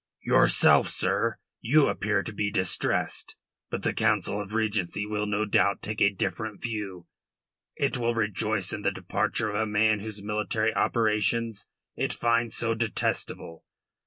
"Yourself, sir, you appear to be distressed. But the Council of Regency will no doubt take a different view. It will rejoice in the departure of a man whose military operations it finds so detestable.